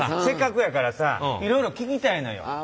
せっかくやからさいろいろ聞きたいのよ。